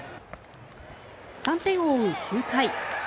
３点を追う９回。